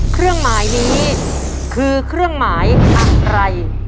เครื่องหมายนี้คือเครื่องหมายอะไร